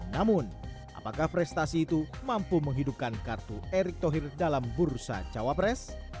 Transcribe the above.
namun apakah prestasi itu mampu menghidupkan kartu erick thohir dalam bursa cawapres